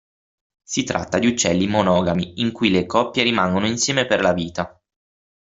Si tratta di uccelli monogami, in cui le coppie rimangono insieme per la vita.